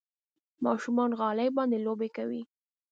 ماشومان غالۍ باندې لوبې کوي.